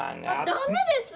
ダメです！